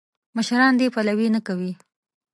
مشران دې پلوي نه کوي.